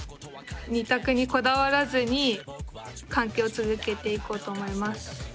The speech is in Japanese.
２択にこだわらずに関係を続けていこうと思います。